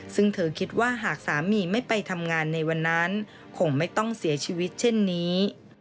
ซึ่งเธอคิดว่าหากสามีไม่ไปทำงานในวันนั้นคงไม่ต้องเสียชีวิตเช่นนี้